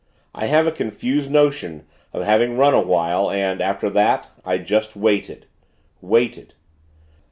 I have a confused notion of having run awhile; and, after that, I just waited waited.